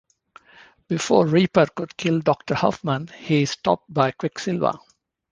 Before Reaper could kill Doctor Hoffman, he is stopped by Quicksilver.